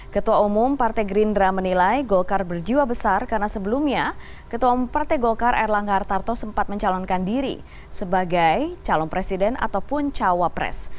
ketua umum partai gerindra menilai golkar berjiwa besar karena sebelumnya ketua partai golkar erlangga hartarto sempat mencalonkan diri sebagai calon presiden ataupun cawapres